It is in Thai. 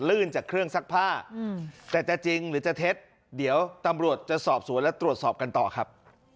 จากเครื่องซักผ้าแต่จะจริงหรือจะเท็จเดี๋ยวตำรวจจะสอบสวนและตรวจสอบกันต่อครับ